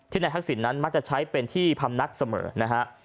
นายทักษิณนั้นมักจะใช้เป็นที่พำนักเสมอนะฮะ